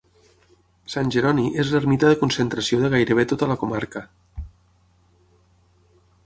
Sant Jeroni és l'ermita de concentració de gairebé tota la comarca.